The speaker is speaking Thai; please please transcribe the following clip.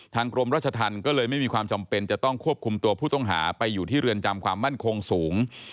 กรมราชธรรมก็เลยไม่มีความจำเป็นจะต้องควบคุมตัวผู้ต้องหาไปอยู่ที่เรือนจำความมั่นคงสูง